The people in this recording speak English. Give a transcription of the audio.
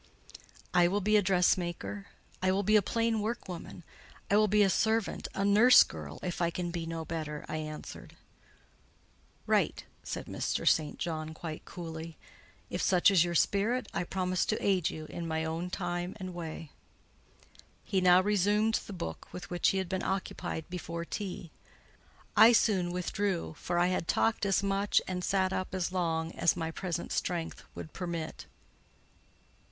"I will be a dressmaker; I will be a plain workwoman; I will be a servant, a nurse girl, if I can be no better," I answered. "Right," said Mr. St. John, quite coolly. "If such is your spirit, I promise to aid you, in my own time and way." He now resumed the book with which he had been occupied before tea. I soon withdrew, for I had talked as much, and sat up as long, as my present strength would permit.